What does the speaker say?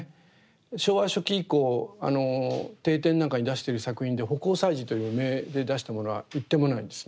昭和初期以降帝展なんかに出している作品で葆光彩磁という名で出したものは一点もないんですね。